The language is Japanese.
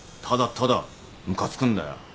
ただただムカつくんだよ。